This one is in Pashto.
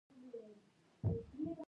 د محکومینو لېږد د بندېدو غوښتونکي وو.